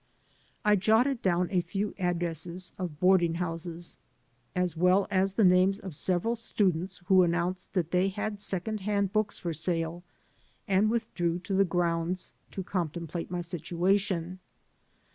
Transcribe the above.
I jotted down a few addresses of boarding houses, as well as the names of several students who announced that they had second hand books for sale, and with drew to the groimds to contemplate my situation.